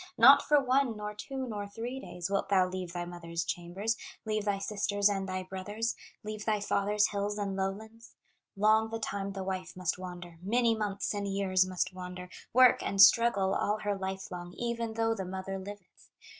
Not for one, nor two, nor three days, Wilt thou leave thy mother's chambers, Leave thy sisters and thy brothers, Leave thy father's hills and lowlands. Long the time the wife must wander, Many months and years must wander, Work, and struggle, all her life long, Even though the mother liveth.